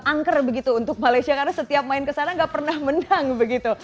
angker begitu untuk malaysia karena setiap main kesana nggak pernah menang begitu